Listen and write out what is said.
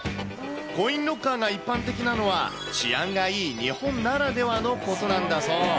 コインロッカーが一般的なのは、治安がいい日本ならではのことなんだそう。